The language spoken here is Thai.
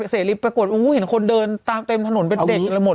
เสร็จลิฟต์ปรากฏอู๋เห็นคนเดินตามเต็มถนนเป็นเด็กกันแล้วหมด